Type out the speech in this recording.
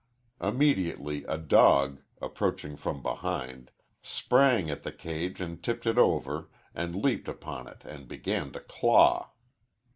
Immediately a dog, approaching from behind, sprang at the cage and tipped it over, and leaped upon it and began to claw.